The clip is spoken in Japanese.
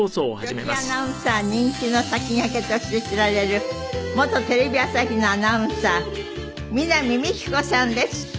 女子アナウンサー人気の先駆けとして知られる元テレビ朝日のアナウンサー南美希子さんです。